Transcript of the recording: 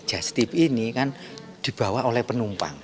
jastip ini kan dibawa oleh penumpang